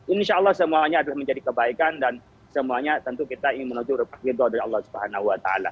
insya allah semuanya akan menjadi kebaikan dan semuanya tentu kita ingin menuju keberkatan allah swt